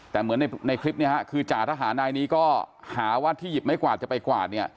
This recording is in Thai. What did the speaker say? แต่เหมือนในคลิปเนี่ยฮะคือจ่าทหารนายนี้ก็หาว่าที่หยิบไม้กวาดจะไปกวาดเนี่ย